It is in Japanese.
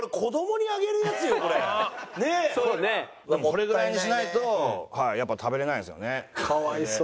これぐらいにしないとやっぱ食べられないんですよね。